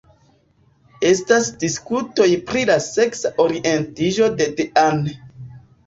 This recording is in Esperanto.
Estas diskutoj pri la seksa orientiĝo de Dean.